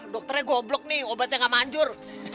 dokternya goblok nih obatnya gak manjur